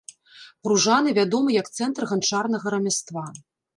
Пружаны вядомы як цэнтр ганчарнага рамяства.